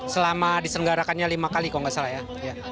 selama diselenggarakannya lima kali kalau tidak salah